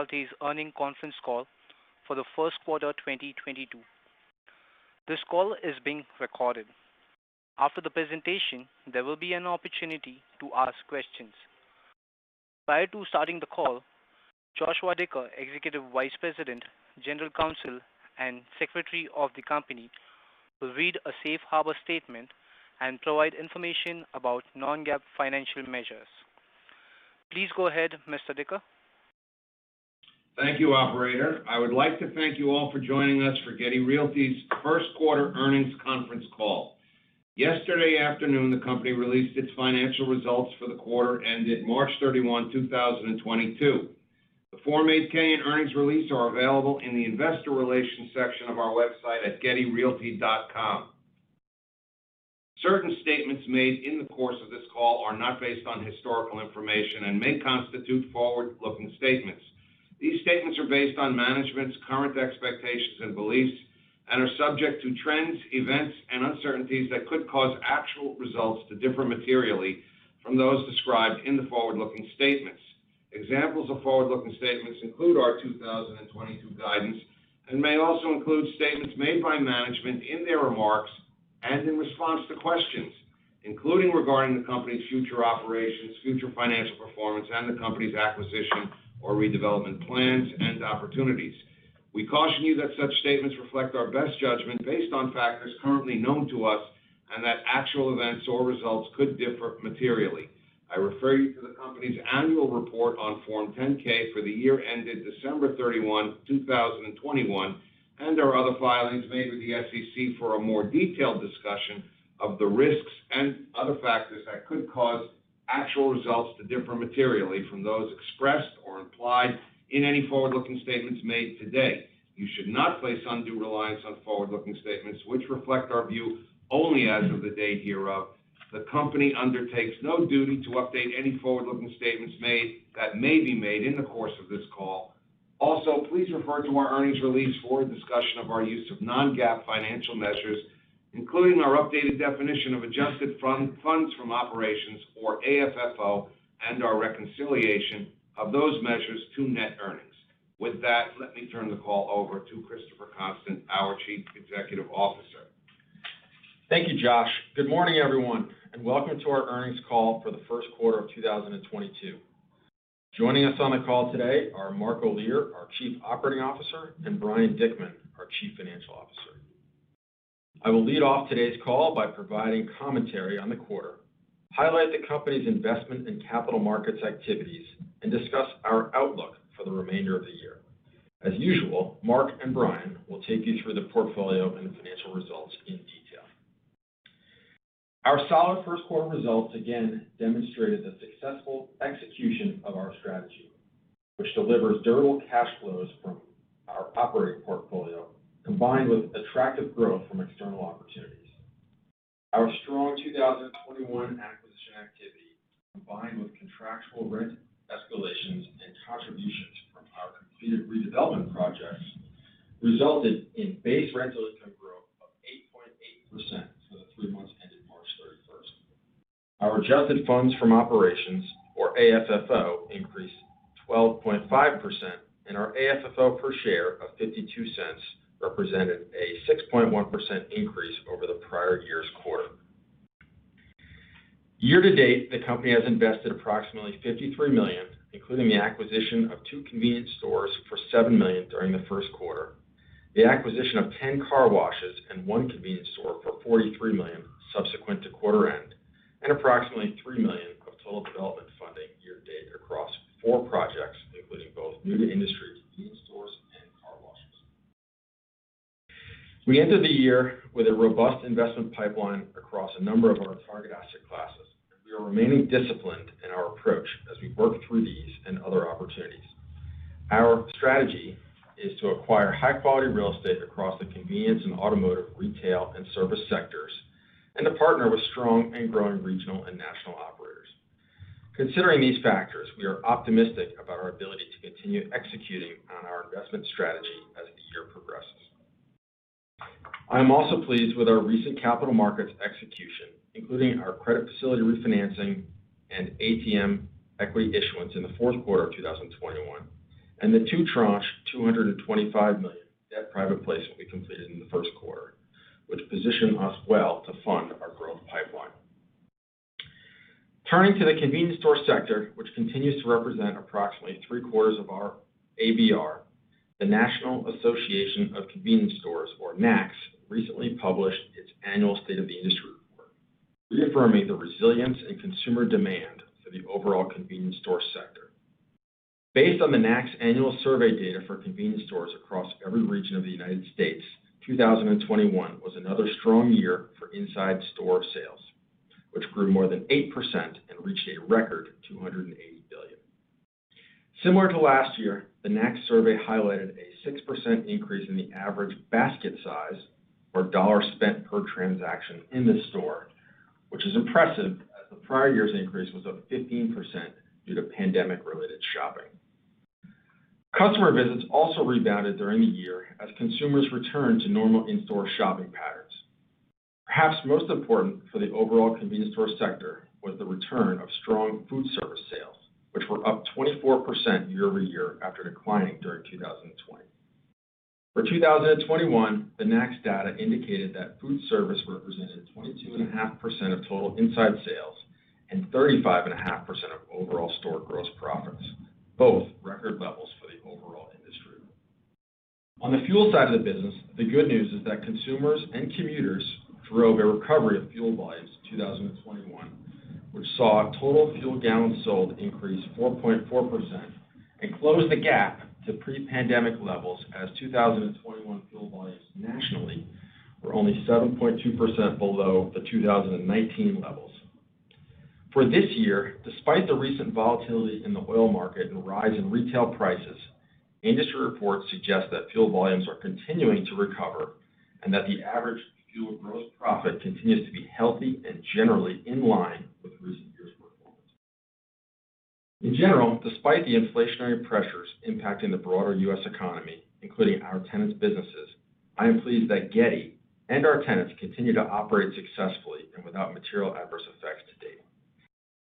Realty's earnings conference call for the first quarter 2022. This call is being recorded. After the presentation, there will be an opportunity to ask questions. Prior to starting the call, Joshua Dicker, Executive Vice President, General Counsel, and Secretary of the company, will read a safe harbor statement and provide information about non-GAAP financial measures. Please go ahead, Mr. Dicker. Thank you, operator. I would like to thank you all for joining us for Getty Realty's first quarter earnings conference call. Yesterday afternoon, the company released its financial results for the quarter ended March 31, 2022. The Form 8-K and earnings release are available in the investor relations section of our website at gettyrealty.com. Certain statements made in the course of this call are not based on historical information and may constitute forward-looking statements. These statements are based on management's current expectations and beliefs and are subject to trends, events, and uncertainties that could cause actual results to differ materially from those described in the forward-looking statements. Examples of forward-looking statements include our 2022 guidance and may also include statements made by management in their remarks and in response to questions, including regarding the company's future operations, future financial performance, and the company's acquisition or redevelopment plans and opportunities. We caution you that such statements reflect our best judgment based on factors currently known to us, and that actual events or results could differ materially. I refer you to the company's annual report on Form 10-K for the year ended December 31, 2021, and our other filings made with the SEC for a more detailed discussion of the risks and other factors that could cause actual results to differ materially from those expressed or implied in any forward-looking statements made today. You should not place undue reliance on forward-looking statements which reflect our view only as of the date hereof. The company undertakes no duty to update any forward-looking statements made that may be made in the course of this call. Please refer to our earnings release for a discussion of our use of non-GAAP financial measures, including our updated definition of adjusted funds from operations or AFFO and our reconciliation of those measures to net earnings. With that, let me turn the call over to Christopher Constant, our Chief Executive Officer. Thank you, Josh. Good morning, everyone, and welcome to our earnings call for the first quarter of 2022. Joining us on the call today are Mark J. Olear, our Chief Operating Officer, and Brian Dickman, our Chief Financial Officer. I will lead off today's call by providing commentary on the quarter, highlight the company's investment in capital markets activities, and discuss our outlook for the remainder of the year. As usual, Mark and Brian will take you through the portfolio and the financial results in detail. Our solid first quarter results again demonstrated the successful execution of our strategy, which delivers durable cash flows from our operating portfolio, combined with attractive growth from external opportunities. Our strong 2021 acquisition activity, combined with contractual rent escalations and contributions from our completed redevelopment projects, resulted in base rental income growth of 8.8% for the three months ended March 31. Our adjusted funds from operations, or AFFO, increased 12.5%, and our AFFO per share of $0.52 represented a 6.1% increase over the prior year's quarter. Year to date, the company has invested approximately $53 million, including the acquisition of 2 convenience stores for $7 million during the first quarter, the acquisition of 10 car washes and 1 convenience store for $43 million subsequent to quarter end, and approximately $3 million of total development funding year to date across 4 projects, including both new to industry convenience stores and car washes. We enter the year with a robust investment pipeline across a number of our target asset classes. We are remaining disciplined in our approach as we work through these and other opportunities. Our strategy is to acquire high-quality real estate across the convenience and automotive, retail, and service sectors, and to partner with strong and growing regional and national operators. Considering these factors, we are optimistic about our ability to continue executing on our investment strategy as the year progresses. I am also pleased with our recent capital markets execution, including our credit facility refinancing and ATM equity issuance in the fourth quarter of 2021, and the two-tranche $225 million debt private placement we completed in the first quarter, which position us well to fund our growth pipeline. Turning to the convenience store sector, which continues to represent approximately three-quarters of our ABR, the National Association of Convenience Stores, or NACS, recently published its annual State of the Industry Report, reaffirming the resilience in consumer demand for the overall convenience store sector. Based on the NACS annual survey data for convenience stores across every region of the United States, 2021 was another strong year for inside store sales, which grew more than 8% and reached a record $280 billion. Similar to last year, the NACS survey highlighted a 6% increase in the average basket size or dollar spent per transaction in the store, which is impressive as the prior year's increase was up 15% due to pandemic-related shopping. Customer visits also rebounded during the year as consumers returned to normal in-store shopping patterns. Perhaps most important for the overall convenience store sector was the return of strong food service sales, which were up 24% year over year after declining during 2020. For 2021, the NACS data indicated that food service represented 22.5% of total inside sales and 35.5% of overall store gross profits, both record levels for the overall industry. On the fuel side of the business, the good news is that consumers and commuters drove a recovery of fuel volumes in 2021, which saw total fuel gallons sold increase 4.4% and close the gap to pre-pandemic levels as 2021 fuel volumes nationally were only 7.2% below the 2019 levels. This year, despite the recent volatility in the oil market and the rise in retail prices, industry reports suggest that fuel volumes are continuing to recover and that the average fuel gross profit continues to be healthy and generally in line with recent years' performance. In general, despite the inflationary pressures impacting the broader U.S. economy, including our tenants' businesses, I am pleased that Getty and our tenants continue to operate successfully and without material adverse effects to date.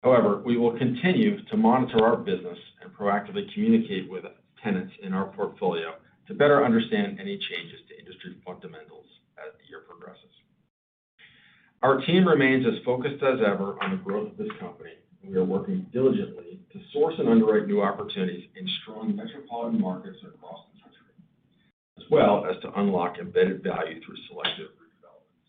However, we will continue to monitor our business and proactively communicate with tenants in our portfolio to better understand any changes to industry fundamentals as the year progresses. Our team remains as focused as ever on the growth of this company. We are working diligently to source and underwrite new opportunities in strong metropolitan markets across the country, as well as to unlock embedded value through selective redevelopments.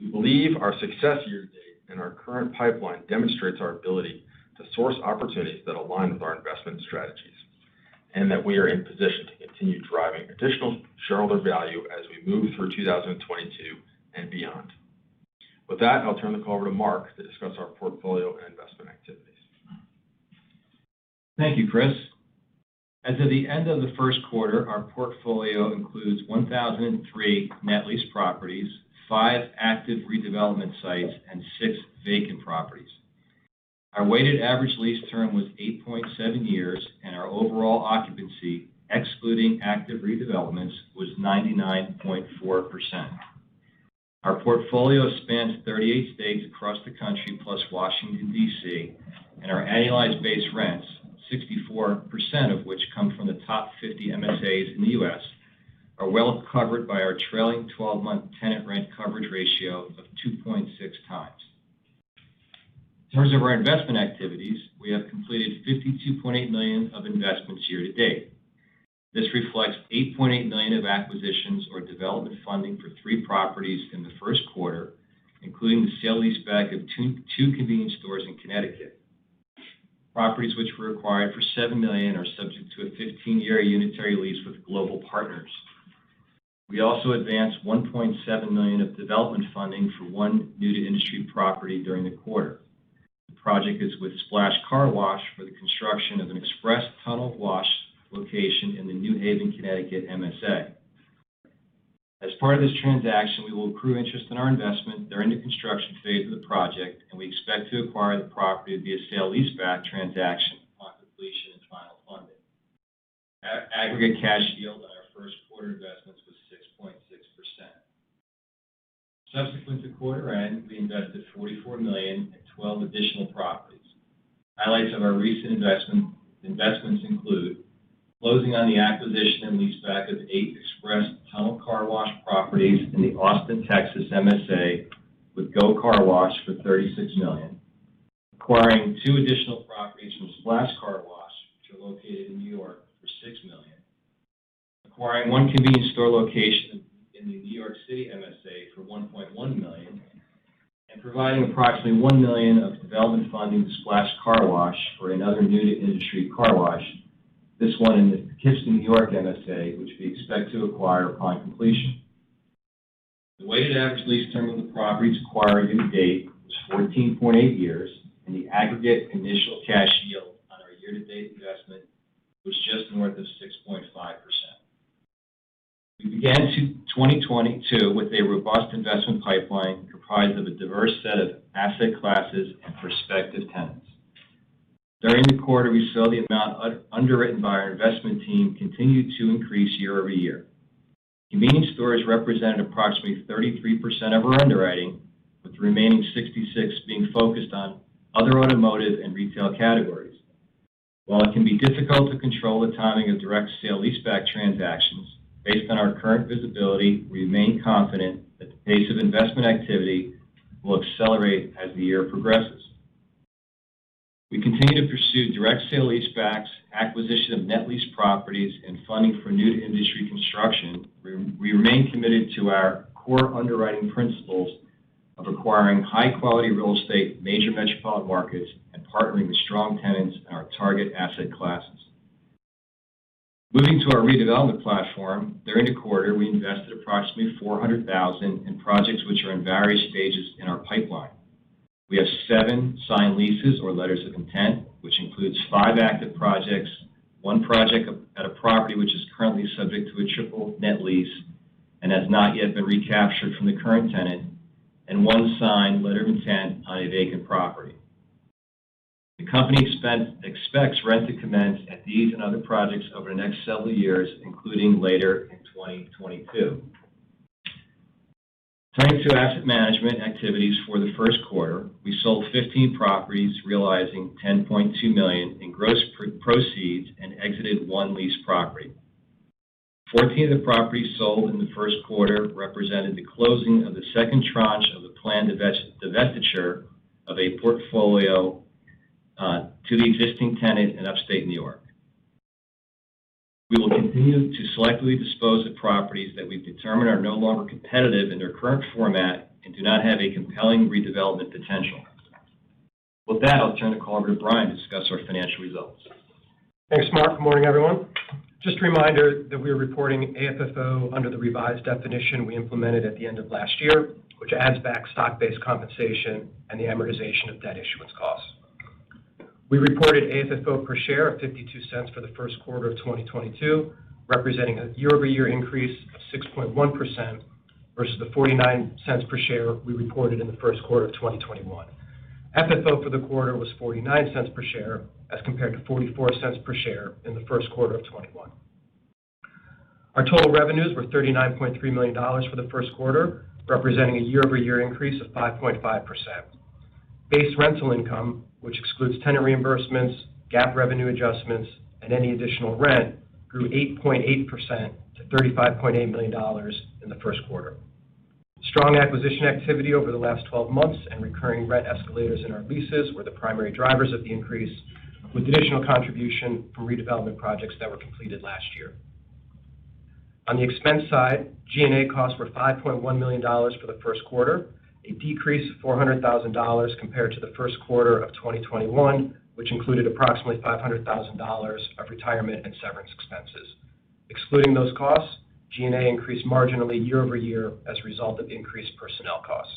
We believe our success year to date and our current pipeline demonstrates our ability to source opportunities that align with our investment strategies and that we are in position to continue driving additional shareholder value as we move through 2022 and beyond. With that, I'll turn the call over to Mark to discuss our portfolio and investment activities. Thank you, Chris. As of the end of the first quarter, our portfolio includes 1,003 net lease properties, five active redevelopment sites, and six vacant properties. Our weighted average lease term was 8.7 years, and our overall occupancy, excluding active redevelopments, was 99.4%. Our portfolio spans 38 states across the country, plus Washington, D.C., and our annualized base rents, 64% of which come from the top 50 MSAs in the U.S., are well covered by our trailing twelve-month tenant rent coverage ratio of 2.6 times. In terms of our investment activities, we have completed $52.8 million of investments year to date. This reflects $8.8 million of acquisitions or development funding for 3 properties in the first quarter, including the sale-leaseback of two convenience stores in Connecticut, properties which were acquired for $7 million are subject to a 15-year unitary lease with Global Partners. We also advanced $1.7 million of development funding for 1 new-to-industry property during the quarter. The project is with Splash Car Wash for the construction of an express tunnel wash location in the New Haven, Connecticut MSA. As part of this transaction, we will accrue interest in our investment during the construction phase of the project, and we expect to acquire the property via a sale-leaseback transaction upon completion and final funding. Aggregate cash yield on our first quarter investments was 6.6%. Subsequent to quarter end, we invested $44 million in 12 additional properties. Highlights of our recent investment, investments include closing on the acquisition and leaseback of 8 express tunnel car wash properties in the Austin, Texas MSA with GO Car Wash for $36 million. Acquiring two additional properties from Splash Car Wash, which are located in New York for $6 million. Acquiring one convenience store location in the New York City MSA for $1.1 million. Providing approximately $1 million of development funding to Splash Car Wash for another new-to-industry car wash, this one in the Poughkeepsie, New York MSA, which we expect to acquire upon completion. The weighted average lease term of the properties acquired year-to-date was 14.8 years, and the aggregate initial cash yield on our year-to-date investment was just north of 6.5%. We began 2022 with a robust investment pipeline comprised of a diverse set of asset classes and prospective tenants. During the quarter, we saw the amount underwritten by our investment team continue to increase year over year. Convenience stores represented approximately 33% of our underwriting, with the remaining 66% being focused on other automotive and retail categories. While it can be difficult to control the timing of direct sale-leaseback transactions, based on our current visibility, we remain confident that the pace of investment activity will accelerate as the year progresses. We continue to pursue direct sale-leasebacks, acquisition of net lease properties, and funding for new to industry construction. We remain committed to our core underwriting principles of acquiring high-quality real estate, major metropolitan markets, and partnering with strong tenants in our target asset classes. Moving to our redevelopment platform, during the quarter, we invested approximately $400,000 in projects which are in various stages in our pipeline. We have seven signed leases or letters of intent, which includes five active projects, one project at a property which is currently subject to a triple net lease and has not yet been recaptured from the current tenant, and one signed letter of intent on a vacant property. The company expects rent to commence at these and other projects over the next several years, including later in 2022. Turning to asset management activities. The first quarter, we sold 15 properties, realizing $10.2 million in gross proceeds and exited one lease property. 14 of the properties sold in the first quarter represented the closing of the second tranche of the planned divestiture of a portfolio to the existing tenant in Upstate New York. We will continue to selectively dispose of properties that we've determined are no longer competitive in their current format and do not have a compelling redevelopment potential. With that, I'll turn to Brian Dickman to discuss our financial results. Thanks, Mark. Good morning, everyone. Just a reminder that we are reporting AFFO under the revised definition we implemented at the end of last year, which adds back stock-based compensation and the amortization of debt issuance costs. We reported AFFO per share of $0.52 for the first quarter of 2022, representing a year-over-year increase of 6.1% versus the $0.49 per share we reported in the first quarter of 2021. FFO for the quarter was $0.49 per share as compared to $0.44 per share in the first quarter of 2021. Our total revenues were $39.3 million for the first quarter, representing a year-over-year increase of 5.5%. Base rental income, which excludes tenant reimbursements, GAAP revenue adjustments, and any additional rent, grew 8.8% to $35.8 million in the first quarter. Strong acquisition activity over the last 12 months and recurring rent escalators in our leases were the primary drivers of the increase, with additional contribution from redevelopment projects that were completed last year. On the expense side, G&A costs were $5.1 million for the first quarter, a decrease of $400,000 compared to the first quarter of 2021, which included approximately $500,000 of retirement and severance expenses. Excluding those costs, G&A increased marginally year-over-year as a result of increased personnel costs.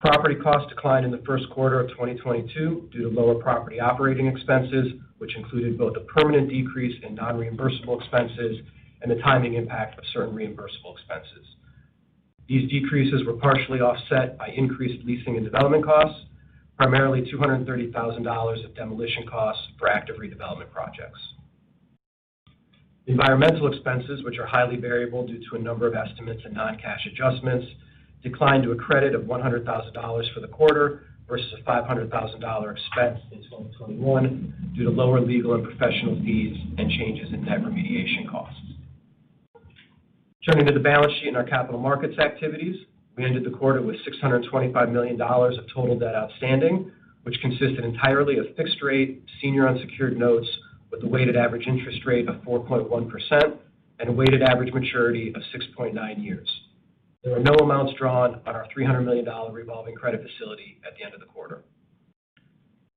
Property costs declined in the first quarter of 2022 due to lower property operating expenses, which included both a permanent decrease in non-reimbursable expenses and the timing impact of certain reimbursable expenses. These decreases were partially offset by increased leasing and development costs, primarily $230,000 of demolition costs for active redevelopment projects. Environmental expenses, which are highly variable due to a number of estimates and non-cash adjustments, declined to a credit of $100,000 for the quarter versus a $500,000 expense in 2021 due to lower legal and professional fees and changes in debt remediation costs. Turning to the balance sheet and our capital markets activities. We ended the quarter with $625 million of total debt outstanding, which consisted entirely of fixed rate senior unsecured notes with a weighted average interest rate of 4.1% and a weighted average maturity of 6.9 years. There were no amounts drawn on our $300 million revolving credit facility at the end of the quarter.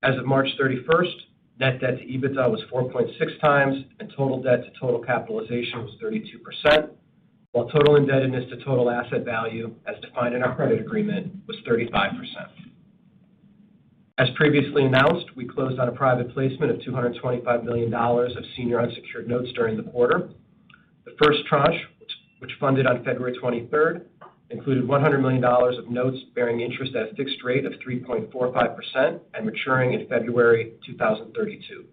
As of March 31st, net debt to EBITDA was 4.6x, and total debt to total capitalization was 32%, while total indebtedness to total asset value, as defined in our credit agreement, was 35%. As previously announced, we closed on a private placement of $225 million of senior unsecured notes during the quarter. The first tranche, which funded on February 23, included $100 million of notes bearing interest at a fixed rate of 3.45% and maturing in February 2032.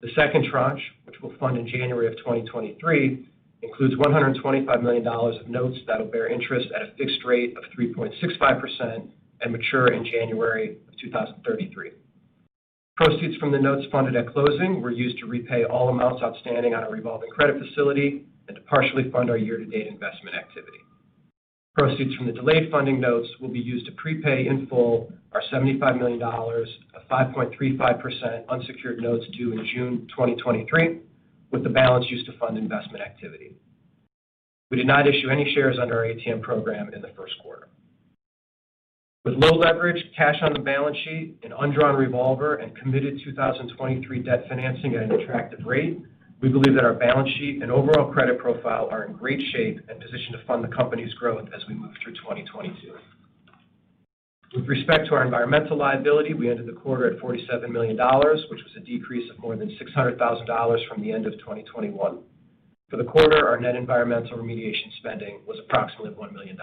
The second tranche, which will fund in January 2023, includes $125 million of notes that will bear interest at a fixed rate of 3.65% and mature in January 2033. Proceeds from the notes funded at closing were used to repay all amounts outstanding on our revolving credit facility and to partially fund our year-to-date investment activity. Proceeds from the delayed funding notes will be used to prepay in full our $75 million of 5.35% unsecured notes due in June 2023, with the balance used to fund investment activity. We did not issue any shares under our ATM program in the first quarter. With low leverage, cash on the balance sheet, an undrawn revolver, and committed 2023 debt financing at an attractive rate, we believe that our balance sheet and overall credit profile are in great shape and positioned to fund the company's growth as we move through 2022. With respect to our environmental liability, we ended the quarter at $47 million, which was a decrease of more than $600,000 from the end of 2021. For the quarter, our net environmental remediation spending was approximately $1 million.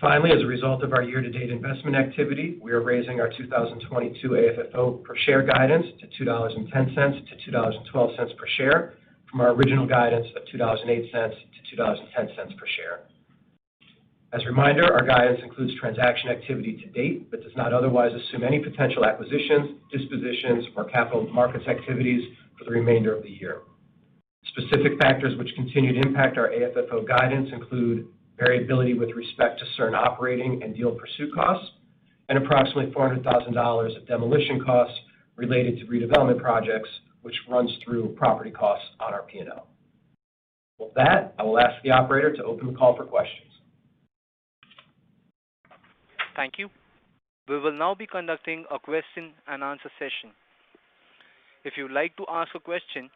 Finally, as a result of our year-to-date investment activity, we are raising our 2022 AFFO per share guidance to $2.10-$2.12 per share from our original guidance of $2.08-$2.10 per share. As a reminder, our guidance includes transaction activity to date but does not otherwise assume any potential acquisitions, dispositions, or capital markets activities for the remainder of the year. Specific factors which continue to impact our AFFO guidance include variability with respect to certain operating and deal pursuit costs and approximately $400,000 of demolition costs related to redevelopment projects, which runs through property costs on our P&L. With that, I will ask the operator to open the call for questions. Thank you. We will now be conducting a question-and-answer session. If you would like to ask a question,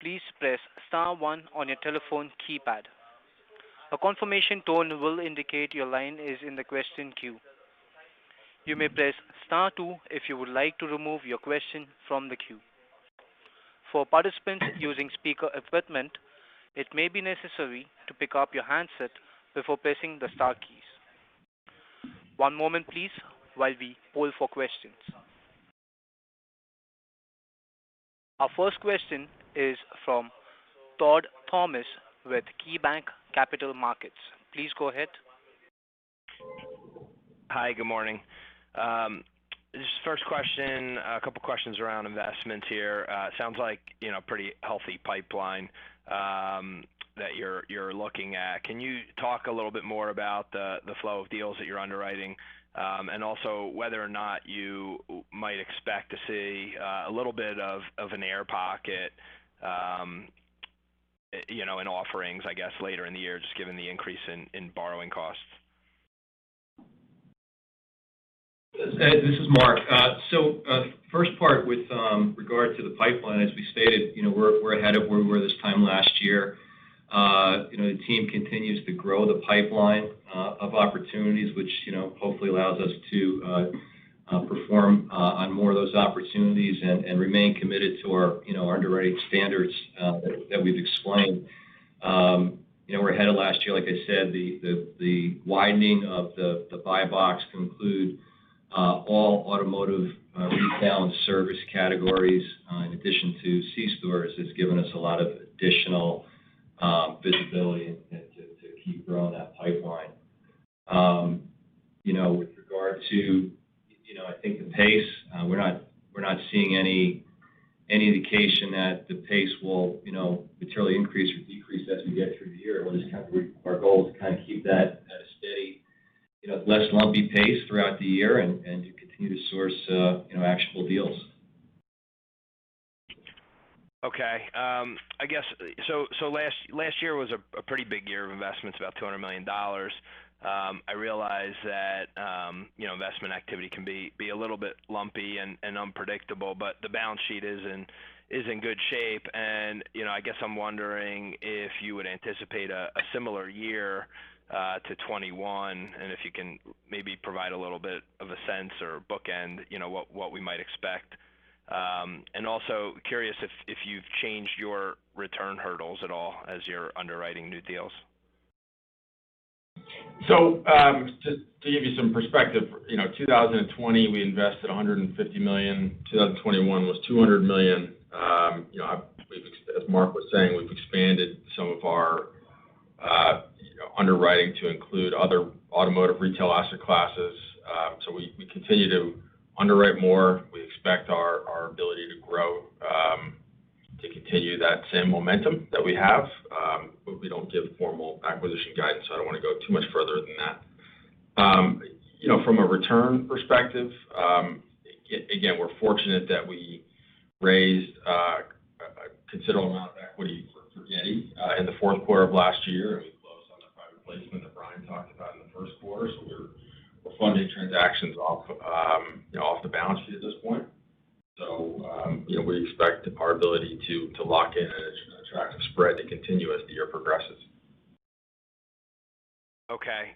please press star one on your telephone keypad. A confirmation tone will indicate your line is in the question queue. You may press star two if you would like to remove your question from the queue. For participants using speaker equipment, it may be necessary to pick up your handset before pressing the star keys. One moment please while we poll for questions. Our first question is from Todd Thomas with KeyBanc Capital Markets. Please go ahead. Hi. Good morning. Just first question, a couple questions around investments here. Sounds like, you know, pretty healthy pipeline that you're looking at. Can you talk a little bit more about the flow of deals that you're underwriting? Also whether or not you might expect to see a little bit of an air pocket, you know, in offerings, I guess, later in the year, just given the increase in borrowing costs. This is Mark. First part with regard to the pipeline, as we stated, you know, we're ahead of where we were this time last year. You know, the team continues to grow the pipeline of opportunities, which, you know, hopefully allows us to perform on more of those opportunities and remain committed to our, our underwriting standards, that we've explained. We're ahead of last year, like I said. The widening of the buy box to include all automotive retail and service categories, in addition to C stores, has given us a lot of additional visibility and to keep growing that pipeline. With regard to, you know, I think the pace, we're not seeing any indication that the pace will, you know, materially increase or decrease as we get through the year. Our goal is to kind of keep that at a steady, you know, less lumpy pace throughout the year and to continue to source, you know, actionable deals. Okay. I guess last year was a pretty big year of investments, about $200 million. I realize that, you know, investment activity can be a little bit lumpy and unpredictable, but the balance sheet is in good shape. I guess I'm wondering if you would anticipate a similar year to 2021, and if you can maybe provide a little bit of a sense or bookend, what we might expect. Also curious if you've changed your return hurdles at all as you're underwriting new deals. To give you some perspective, you know, 2020 we invested $150 million. 2021 was $200 million. As Mark was saying, we've expanded some of our, you know, underwriting to include other automotive retail asset classes. So we continue to underwrite more. We expect our ability to grow to continue that same momentum that we have. But we don't give formal acquisition guidance, so I don't wanna go too much further than that. From a return perspective, again, we're fortunate that we raised a considerable amount of equity for Getty in the fourth quarter of last year, and we closed on the private placement that Brian talked about in the first quarter. We're funding transactions off the balance sheet at this point. We expect our ability to lock in an attractive spread to continue as the year progresses. Okay.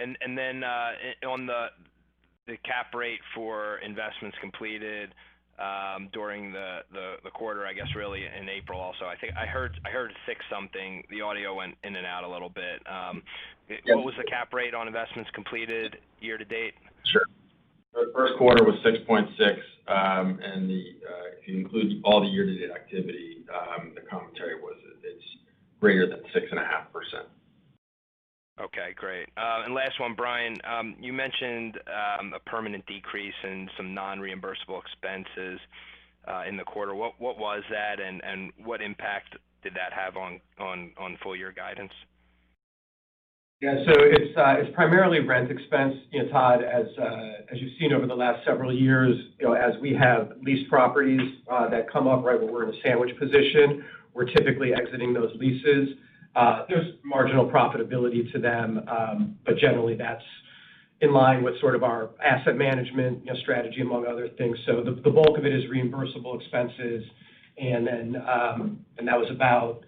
On the cap rate for investments completed during the quarter, I guess really in April also, I think I heard six something. The audio went in and out a little bit. What was the cap rate on investments completed year to date? Sure. The first quarter was 6.6, and it includes all the year-to-date activity. The commentary was it's greater than 6.5%. Okay, great. Last one, Brian. You mentioned a permanent decrease in some non-reimbursable expenses in the quarter. What was that, and what impact did that have on full year guidance? Yeah. It's primarily rent expense. Todd, as you've seen over the last several years, you know, as we have leased properties that come up right where we're in a sandwich position, we're typically exiting those leases. There's marginal profitability to them. Generally, that's in line with sort of our asset management, you know, strategy among other things. The bulk of it is reimbursable expenses. Then that was about.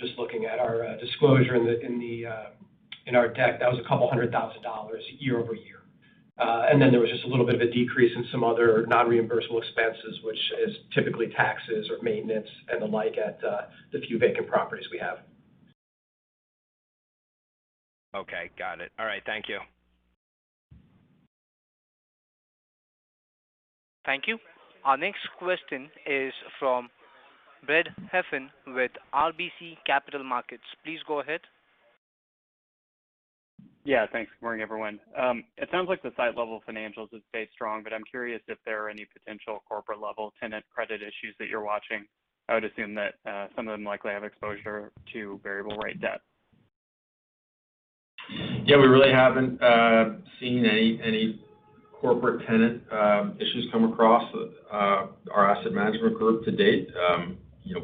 Just looking at our disclosure in our deck. That was $200,000 year-over-year. Then there was just a little bit of a decrease in some other non-reimbursable expenses, which is typically taxes or maintenance and the like at the few vacant properties we have. Okay. Got it. All right. Thank you. Thank you. Our next question is from Brad Heffern with RBC Capital Markets. Please go ahead. Yeah. Thanks. Good morning, everyone. It sounds like the site level financials have stayed strong, but I'm curious if there are any potential corporate level tenant credit issues that you're watching. I would assume that some of them likely have exposure to variable rate debt. Yeah, we really haven't seen any corporate tenant issues come across our asset management group to date.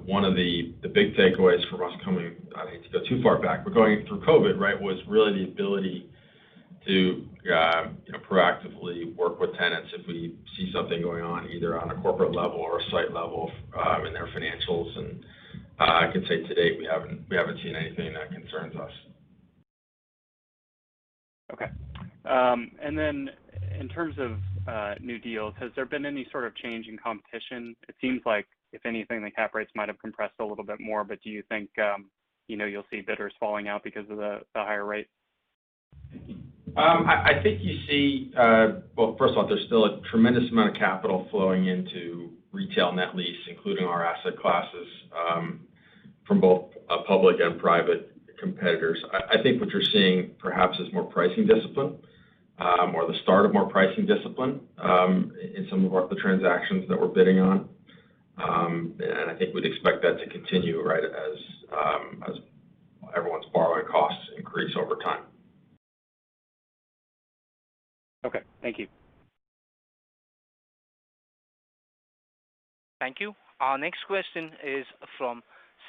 One of the big takeaways from us. I don't need to go too far back. We're going through COVID, right? was really the ability to, you know, proactively work with tenants if we see something going on, either on a corporate level or a site level, in their financials. I can say to date, we haven't seen anything that concerns us. In terms of new deals, has there been any sort of change in competition? It seems like if anything, the cap rates might have compressed a little bit more, but do you think, you know, you'll see bidders falling out because of the higher rates? I think you see. Well, first of all, there's still a tremendous amount of capital flowing into retail net lease, including our asset classes, from both public and private competitors. I think what you're seeing perhaps is more pricing discipline or the start of more pricing discipline in some of the transactions that we're bidding on. I think we'd expect that to continue, right, as everyone's borrowing costs increase over time. Okay, thank you. Thank you. Our next question is from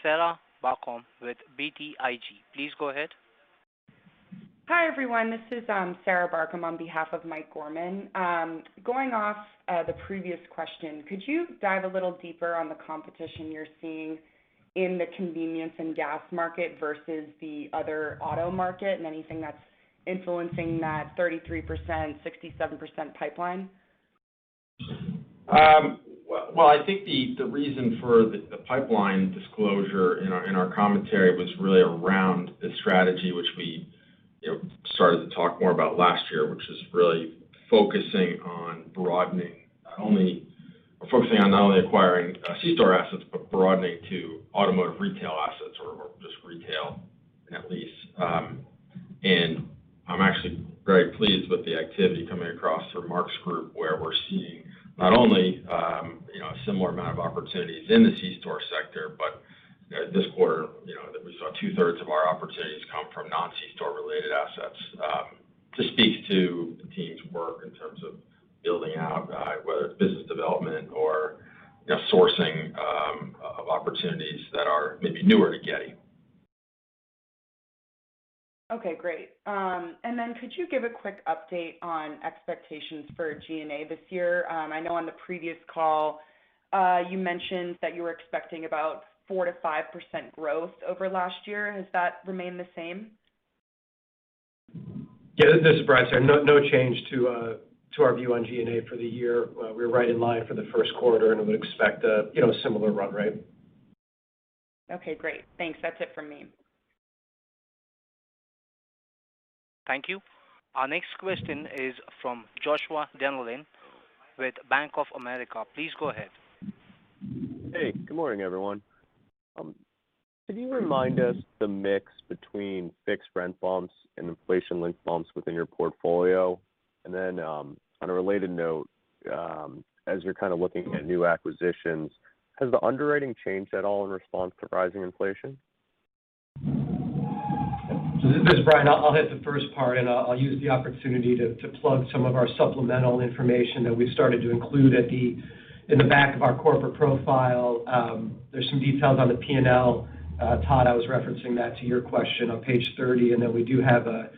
Michael Gorman with BTIG. Please go ahead. Hi, everyone. This is Mike Gorman on behalf of Michael Gorman. Going off the previous question, could you dive a little deeper on the competition you're seeing in the convenience and gas market versus the other auto market and anything that's influencing that 33%, 67% pipeline? Well, I think the reason for the pipeline disclosure in our commentary was really around the strategy which we, you know, started to talk more about last year, which is really focusing on not only acquiring C-store assets, but broadening to automotive retail assets or just retail net lease. I'm actually very pleased with the activity coming across from Mark's group, where we're seeing not only, you know, a similar amount of opportunities in the C-store sector, but this quarter, you know, we saw two-thirds of our opportunities come from non-C-store-related assets, to speak to the team's work in terms of building out whether it's business development or, sourcing of opportunities that are maybe newer to Getty. Okay, great. Could you give a quick update on expectations for G&A this year? I know on the previous call, you mentioned that you were expecting about 4%-5% growth over last year. Has that remained the same? This is Brian saying. No change to our view on G&A for the year. We're right in line for the first quarter, and I would expect a you know similar run, right? Okay, great. Thanks. That's it for me. Thank you. Our next question is from Joshua Dennerlein with Bank of America. Please go ahead. Hey, good morning, everyone. Can you remind us the mix between fixed rent bumps and inflation-linked bumps within your portfolio? On a related note, as you're kind of looking at new acquisitions, has the underwriting changed at all in response to rising inflation? This is Brian. I'll hit the first part, and I'll use the opportunity to plug some of our supplemental information that we started to include in the back of our corporate profile. There's some details on the P&L. Todd, I was referencing that to your question on page 30, and then we do have a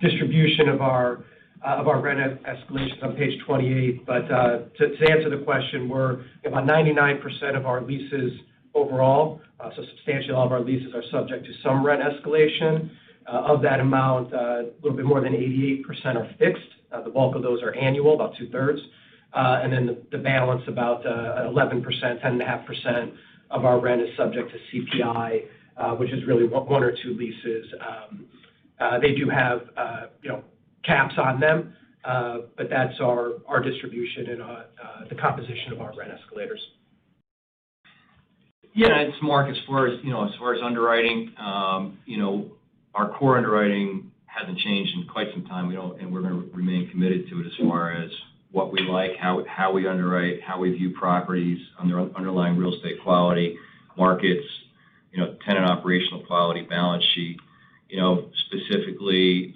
distribution of our rent escalations on page 28. To answer the question, we're about 99% of our leases overall, so substantially all of our leases are subject to some rent escalation. Of that amount, a little bit more than 88% are fixed. The bulk of those are annual, about two-thirds. The balance, about 11%, 10.5% of our rent is subject to CPI, which is really one or two leases. They do have, you know, caps on them. That's our distribution and the composition of our rent escalators. Yeah. It's Mark O'Leary. As far as, underwriting, you know, our core underwriting hasn't changed in quite some time. We're gonna remain committed to it as far as what we like, how we underwrite, how we view properties on their underlying real estate quality, markets, tenant operational quality, balance sheet. Specifically,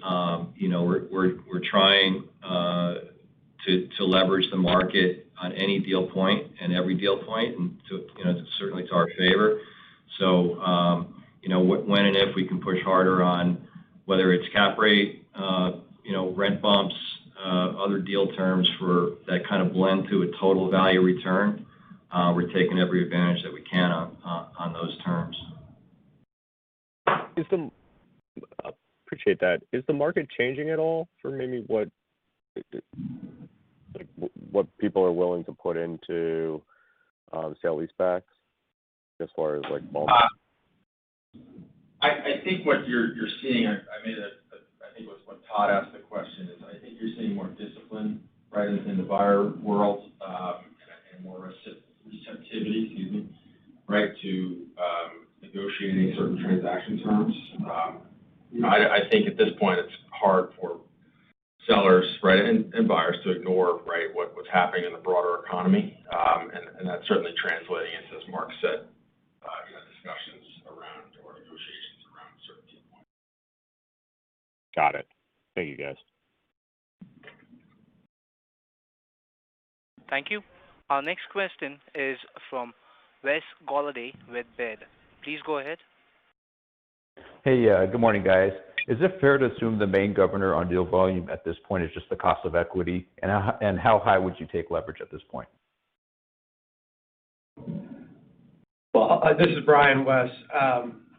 you know, we're trying to leverage the market on any deal point and every deal point and to, you know, certainly to our favor. When and if we can push harder on whether it's cap rate, rent bumps, other deal terms for that kind of blend to a total value return, we're taking every advantage that we can on those terms. Appreciate that. Is the market changing at all for maybe what, like, what people are willing to put into sale-leasebacks as far as, like, bumps? I think what you're seeing is more discipline, right, within the buyer world, and more receptivity, excuse me, right, to negotiating certain transaction terms. You know, I think at this point, it's hard for sellers, right, and buyers to ignore, right, what's happening in the broader economy. That's certainly translating into, as Mark said, you know, discussions around or negotiations around certain deal points. Got it. Thank you, guys. Thank you. Our next question is from Wesley Golladay with Baird. Please go ahead. Hey. Yeah. Good morning, guys. Is it fair to assume the main governor on deal volume at this point is just the cost of equity? How high would you take leverage at this point? Well, this is Brian, Wes.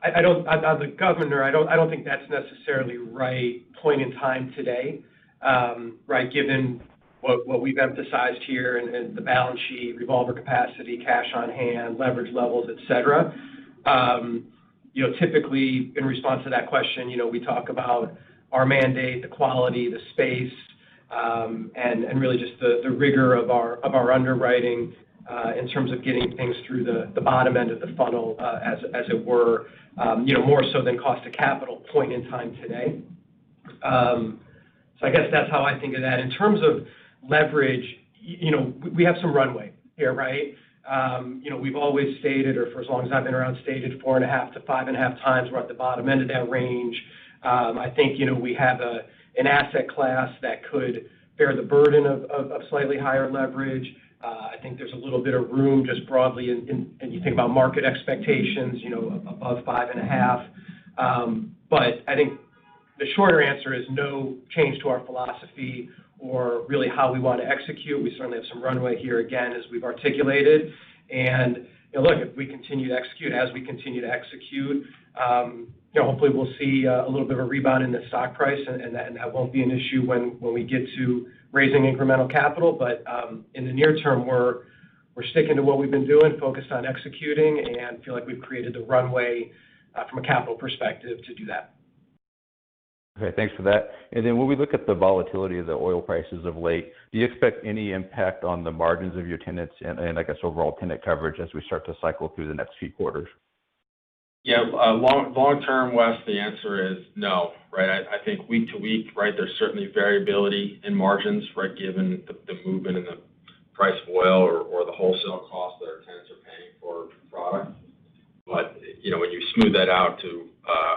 On the governance, I don't think that's necessarily right point in time today, right? Given what we've emphasized here and the balance sheet, revolver capacity, cash on hand, leverage levels, et cetera. You know, typically, in response to that question, we talk about our mandate, the quality, the space, and really just the rigor of our underwriting in terms of getting things through the bottom end of the funnel, as it were, more so than cost of capital point in time today. I guess that's how I think of that. In terms of leverage, you know, we have some runway here, right? We've always stated, or for as long as I've been around, stated 4.5-5.5 times, we're at the bottom end of that range. I think, you know, we have an asset class that could bear the burden of slightly higher leverage. I think there's a little bit of room just broadly in. You think about market expectations, you know, above 5.5. I think the shorter answer is no change to our philosophy or really how we wanna execute. We certainly have some runway here, again, as we've articulated. You know, look, if we continue to execute, hopefully we'll see a little bit of a rebound in the stock price and that won't be an issue when we get to raising incremental capital. In the near term, we're sticking to what we've been doing, focused on executing and feel like we've created the runway from a capital perspective to do that. Okay. Thanks for that. When we look at the volatility of the oil prices of late, do you expect any impact on the margins of your tenants and I guess, overall tenant coverage as we start to cycle through the next few quarters? Yeah. Long term, Wes, the answer is no, right? I think week to week, right, there's certainly variability in margins given the movement in the price of oil or the wholesale cost that our tenants are paying for product. You know, when you smooth that out to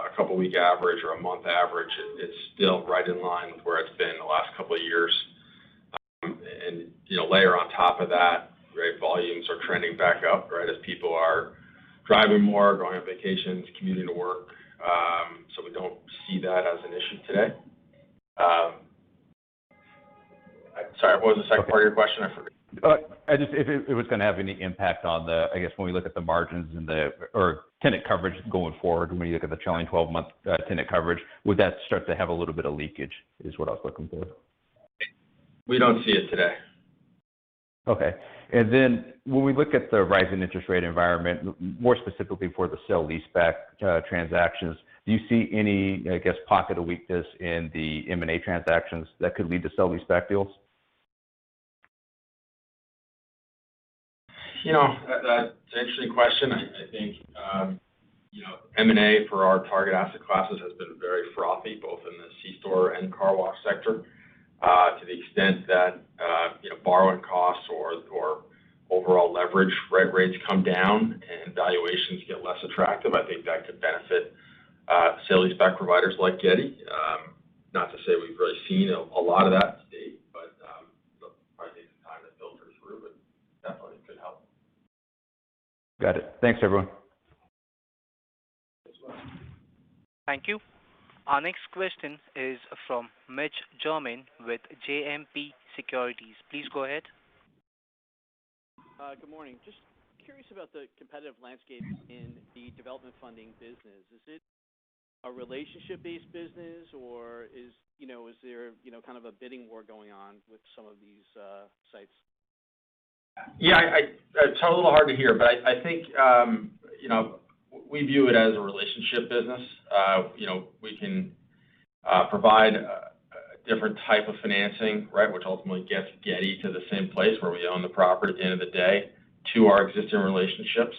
a couple week average or a month average, it's still right in line with where it's been the last couple of years. You know, layer on top of that, right, volumes are trending back up, right, as people are driving more, going on vacations, commuting to work. We don't see that as an issue today. Sorry, what was the second part of your question? I forgot. If it was gonna have any impact on the margins, I guess, when we look at the margins or tenant coverage going forward, when you look at the trailing 12-month tenant coverage, would that start to have a little bit of leakage? Is what I was looking for. We don't see it today. Okay. When we look at the rising interest rate environment, more specifically for the sale-leaseback transactions, do you see any, I guess, pocket of weakness in the M&A transactions that could lead to sale-leaseback deals? That's an interesting question. I think, you know, M&A for our target asset classes has been very frothy, both in the C-store and car wash sector. To the extent that, you know, borrowing costs or overall leverage, if rent rates come down and valuations get less attractive, I think that could benefit, sale-leaseback providers like Getty. Not to say we've really seen a lot of that to date, but, you know, probably take some time to filter through, but definitely could help. Got it. Thanks, everyone. Thanks, Wes. Thank you. Our next question is from Mitch Germain with JMP Securities. Please go ahead. Good morning. Just curious about the competitive landscape in the development funding business. Is it a relationship-based business or, you know, is there, you know, kind of a bidding war going on with some of these sites? Yeah. It's a little hard to hear, but I think, we view it as a relationship business. You know, we can provide a different type of financing, right, which ultimately gets Getty to the same place where we own the property at the end of the day to our existing relationships.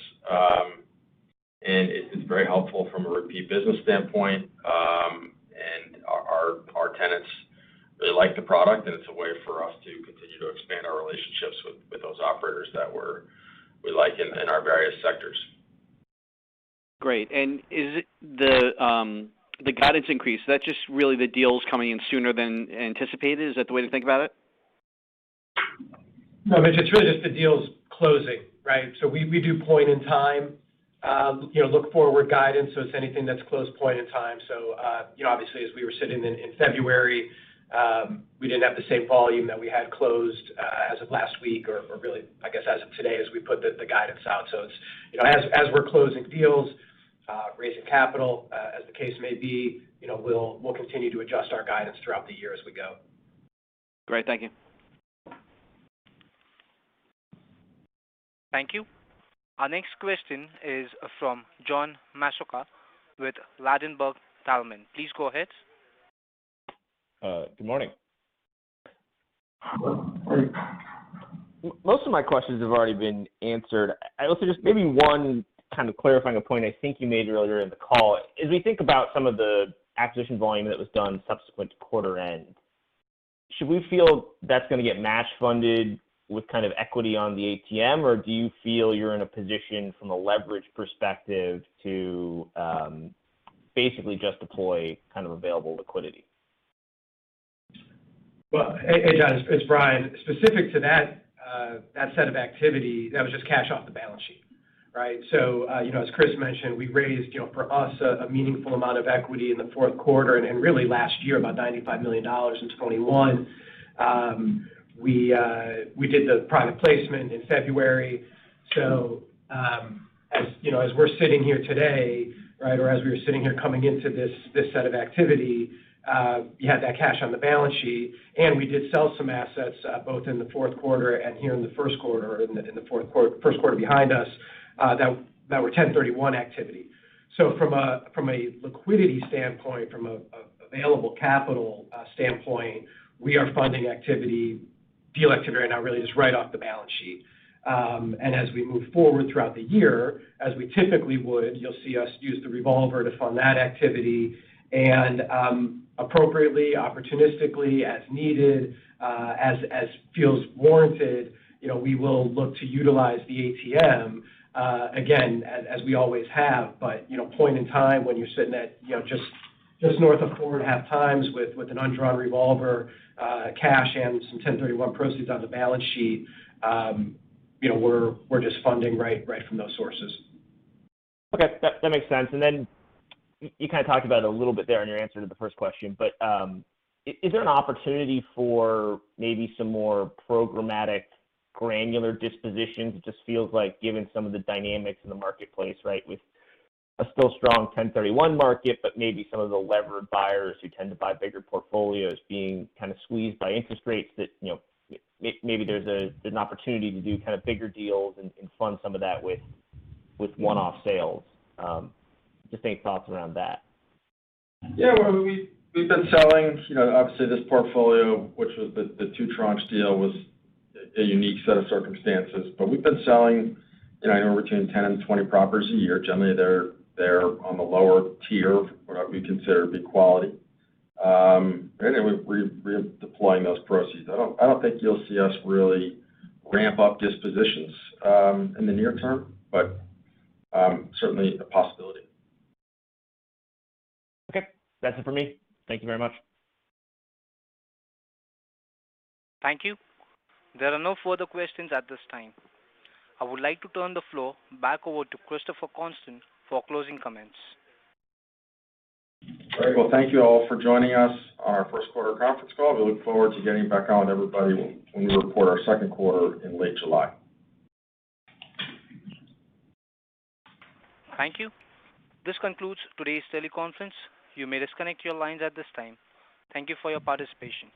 It's very helpful from a repeat business standpoint. Our tenants really like the product, and it's a way for us to continue to expand our relationships with those operators that we like in our various sectors. Great. Is it the guidance increase, is that just really the deals coming in sooner than anticipated? Is that the way to think about it? No, Mitch, it's really just the deals closing, right? We do point-in-time, you know, look-forward guidance, so it's anything that's closed point in time. You know, obviously, as we were sitting in February, we didn't have the same volume that we had closed as of last week or really, I guess, as of today as we put the guidance out. It's, you know, as we're closing deals, raising capital, as the case may be, you know, we'll continue to adjust our guidance throughout the year as we go. Great. Thank you. Thank you. Our next question is from John Massocca with Ladenburg Thalmann. Please go ahead. Good morning. Wes. Most of my questions have already been answered. I also just maybe one kind of clarifying a point I think you made earlier in the call. As we think about some of the acquisition volume that was done subsequent to quarter end, should we feel that's gonna get match funded with kind of equity on the ATM? Or do you feel you're in a position from a leverage perspective to basically just deploy kind of available liquidity? Well, hey, John, it's Brian. Specific to that set of activity, that was just cash off the balance sheet, right? As Chris mentioned, we raised you know, for us, a meaningful amount of equity in the fourth quarter and really last year, about $95 million in 2021. We did the private placement in February. As you know, as we're sitting here today, right? Or as we were sitting here coming into this set of activity, you had that cash on the balance sheet, and we did sell some assets both in the fourth quarter and here in the first quarter behind us, that were 1031 activity. From a liquidity standpoint, from an available capital standpoint, we are funding activity, deal activity right now really just right off the balance sheet. As we move forward throughout the year, as we typically would, you'll see us use the revolver to fund that activity and opportunistically, as needed, as feels warranted, you know, we will look to utilize the ATM again, as we always have. You know, point in time when you're sitting at, you know, just north of 4.5x with an undrawn revolver, cash and some 1031 proceeds on the balance sheet, you know, we're just funding right from those sources. Okay. That makes sense. You kinda talked about it a little bit there in your answer to the first question, but is there an opportunity for maybe some more programmatic granular dispositions? It just feels like given some of the dynamics in the marketplace, right? With a still strong 1031 market, but maybe some of the levered buyers who tend to buy bigger portfolios being kind of squeezed by interest rates that you know maybe there's an opportunity to do kind of bigger deals and fund some of that with one-off sales. Just any thoughts around that. Yeah. Well, we've been selling, obviously this portfolio, which was the two tranches deal, was a unique set of circumstances. We've been selling, you know, anywhere between 10 and 20 properties a year. Generally, they're on the lower tier of what we consider B quality. We're deploying those proceeds. I don't think you'll see us really ramp up dispositions in the near term, but certainly a possibility. Okay. That's it for me. Thank you very much. Thank you. There are no further questions at this time. I would like to turn the floor back over to Christopher Constant for closing comments. All right. Well, thank you all for joining us on our first quarter conference call. We look forward to getting back on with everybody when we report our second quarter in late July. Thank you. This concludes today's teleconference. You may disconnect your lines at this time. Thank you for your participation.